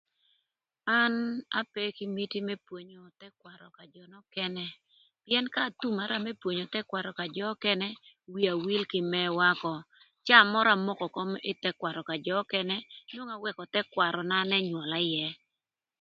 An ape kï miti më pwonyo thëkwarö ka jö nökënë pïën k'athumara më pwonyo thëkwarö ka jö nökënë, wia wil kï mëwa ökö caa mörö amoko ï kom thëkwarö ka jö ökënë cë awëkö thëkwaröna n'ënywöla ïë.